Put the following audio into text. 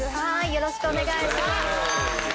よろしくお願いします。